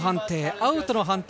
アウトの判定。